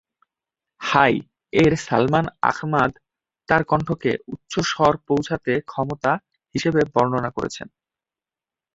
"High" এর Salman Akhmad তার কণ্ঠকে "উচ্চ স্বর পৌঁছাতে ক্ষমতা" হিসাবে বর্ণনা করেছেন।